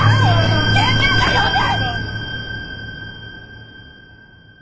救急車呼んで！